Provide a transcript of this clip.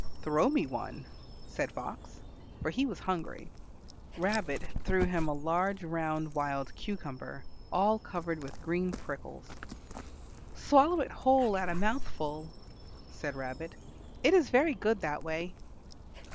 "Throw me one," said Fox, for he was hungry. Rabbit threw him a large round wild cucumber all covered with green prickles. "Swallow it whole at a mouthful," said Rabbit; "it is very good that way."